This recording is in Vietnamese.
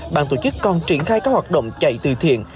bàn tổ chức còn triển khai các hoạt động chạy từ thiện